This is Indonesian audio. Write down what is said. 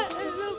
turun turun turun